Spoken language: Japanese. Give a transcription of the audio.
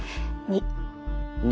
２。